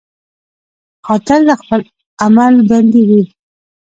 قاتل د خپل عمل بندي وي